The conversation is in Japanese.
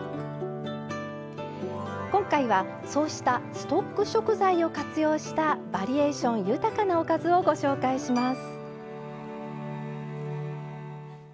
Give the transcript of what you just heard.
今回はそうしたストック食材を活用したバリエーション豊かなおかずをご紹介します。